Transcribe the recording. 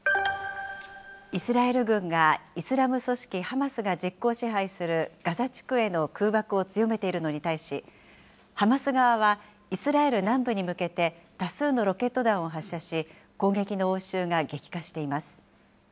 イスラエル軍がイスラム組織ハマスが実効支配するガザ地区への空爆を強めているのに対し、ハマス側は、イスラエル南部に向けて多数のロケット弾を発射し、攻撃の応酬が激化しています。